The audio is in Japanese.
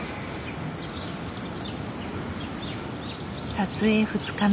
撮影２日目。